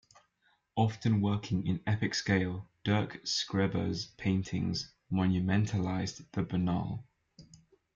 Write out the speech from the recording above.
Often working in epic scale, Dirk Skreber's paintings monumentalise the banal.